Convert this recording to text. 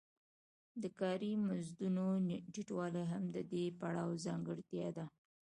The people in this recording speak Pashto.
د کاري مزدونو ټیټوالی هم د دې پړاو ځانګړتیا ده